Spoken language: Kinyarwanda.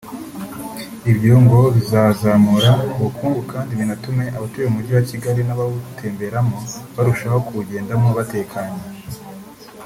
Ibyo ngo bizazamura ubukungu kandi binatume abatuye umujyi wa Kigali n’abawutemberamo barushaho kuwujyendamo batekanye